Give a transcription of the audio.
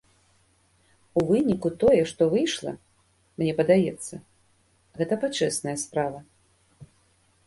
У выніку тое, што выйшла, мне падаецца, гэта пачэсная справа.